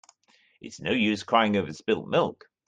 It is no use crying over spilt milk.